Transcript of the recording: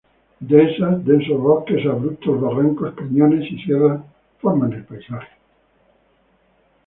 Dehesas, densos bosques, abruptos barrancos, cañones y sierras forman el paisaje.